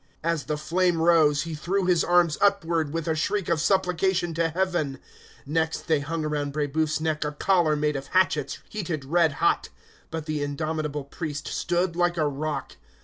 As the flame rose, he threw his arms upward, with a shriek of supplication to Heaven. Next they hung around Brébeuf's neck a collar made of hatchets heated red hot; but the indomitable priest stood like a rock.